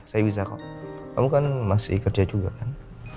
saya bisa kok kamu kan masih kerja juga kan